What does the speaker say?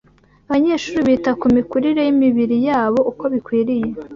Abanyeshuri bita ku mikurire y’imibiri yabo uko bikwiriye